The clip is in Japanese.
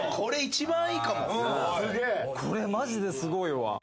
これマジですごいわ。